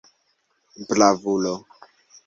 Bravulo!